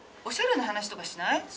おしゃれの話とかしない？